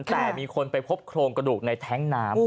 แต่มีคนไปพบโครงกระดูกในแท้งน้ำ